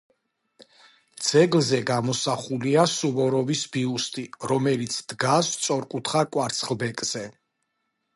ძეგლზე გამოსახულია სუვოროვის ბიუსტი, რომელიც დგას სწორკუთხა კვარცხლბეკზე.